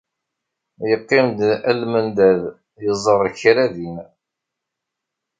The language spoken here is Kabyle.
Yeqqim-d almendad, iẓerr kra din.